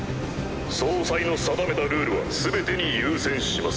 総裁の定めたルールは全てに優先します。